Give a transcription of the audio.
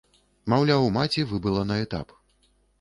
Маўляў, маці выбыла на этап.